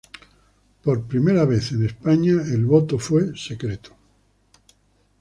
Por primera vez en España, el voto fue secreto.